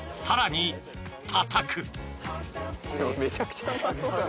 ［さらにたたく］